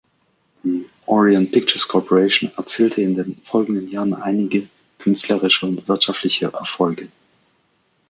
Die Orion Pictures Corporation erzielte in den folgenden Jahren einige künstlerische und wirtschaftliche Erfolge.